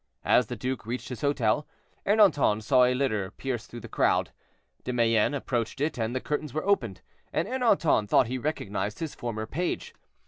As the duke reached his hotel, Ernanton saw a litter pierce through the crowd. De Mayenne approached it, and the curtains were opened, and Ernanton thought he recognized his former page.